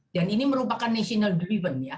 dan ini merupakan national driven